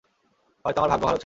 হয়তো আমার ভাগ্য ভালো ছিল।